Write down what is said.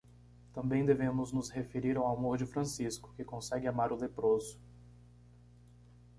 Também devemos nos referir ao amor de Francisco, que consegue amar o leproso.